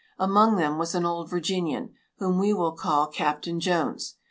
Among them was an old Virginian, whom we will call Captain Jones.